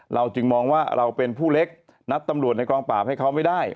เราจึงมองว่าเราเป็นผู้เล็กนัดตำรวจในกองปราบให้เขาไม่ได้